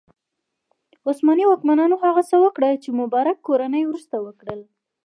عثماني واکمنانو هغه څه وکړل چې مبارک کورنۍ وروسته وکړل.